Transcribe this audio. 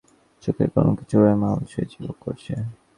এতদিন পরে যথার্থ দাগি হয়েছি চোরের কলঙ্কে, চোরাই মাল ছুঁয়েছি, ভোগ করেছি।